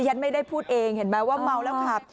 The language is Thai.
ฉันไม่ได้พูดเองเห็นไหมว่าเมาแล้วขับ